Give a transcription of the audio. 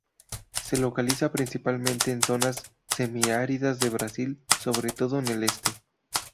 Se localiza principalmente en zonas semiáridas de Brasil, sobre todo en el este.